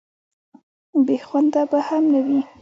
بې خونده به هم نه وي.